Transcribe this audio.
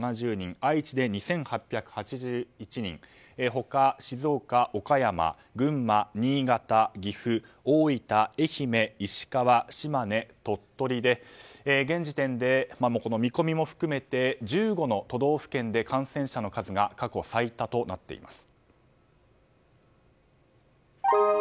愛知で２８８１人他、静岡、岡山、群馬、新潟岐阜、大分、愛媛、石川島根、鳥取で現時点で見込みも含めて１５の都道府県で感染者の数が過去最多となっています。